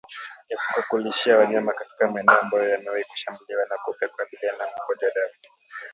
Epuka kulishia wanyama katika maeneo ambayo yamewahi kushambuliwa na kupe kukabiliana na mkojo damu